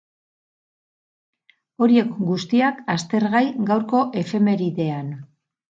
Horiek guztiak aztergai gaurko efemeridean.